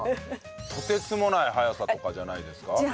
とてつもない速さとかじゃないですか？